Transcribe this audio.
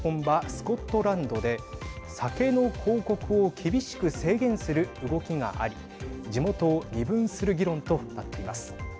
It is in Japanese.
スコットランドで酒の広告を厳しく制限する動きがあり地元を二分する議論となっています。